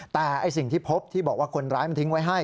แต่สิ่งที่พบที่บอกว่าคนร้ายมันทิ้งไว้ให้